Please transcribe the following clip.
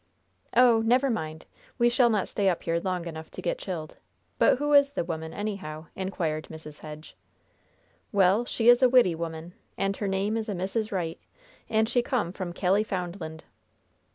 "Oh! never mind. We shall not stay up here long enough to get chilled; but who is the woman, anyhow?" inquired Mrs. Hedge. "Well, she is a widdy woman, and her name is a Mrs. Wright, and she come from Callyfoundland."